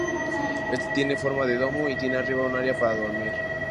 Éste tiene forma de domo, y tiene arriba un área para dormir.